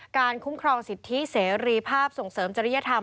คุ้มครองสิทธิเสรีภาพส่งเสริมจริยธรรม